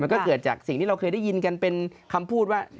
ก็เกิดจากสิ่งที่เราเคยได้ยินกันเป็นคำพูดว่า